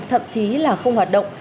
thậm chí là không hoạt động